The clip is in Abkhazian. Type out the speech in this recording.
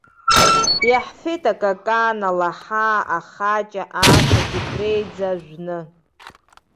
Иаҳфеит акакан, алаҳа, ахаҷа, ашә, аџьықәреиаӡа жәны.